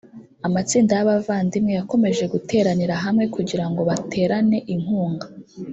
amatsinda y abavandimwe yakomeje guteranira hamwe kugira ngo baterane inkunga